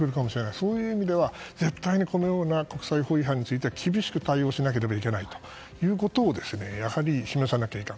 そういう意味では絶対にこのような国際法違反については厳しく対応しないといけないということを示さなきゃいけない。